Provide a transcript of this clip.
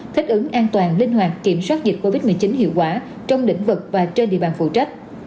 thích ứng an toàn linh hoạt kiểm soát dịch covid một mươi chín hiệu quả trong lĩnh vực và trên địa bàn phụ trách